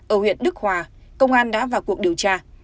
ở huyện đức hòa công an đã vào cuộc điều tra